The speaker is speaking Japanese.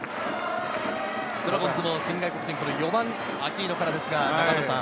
ドラゴンズも新外国人、４番・アキーノからです。